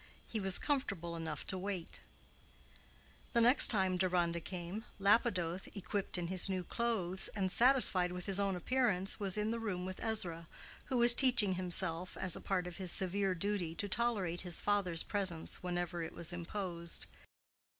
He was comfortable enough to wait. The next time Deronda came, Lapidoth, equipped in his new clothes, and satisfied with his own appearance, was in the room with Ezra, who was teaching himself, as a part of his severe duty, to tolerate his father's presence whenever it was imposed.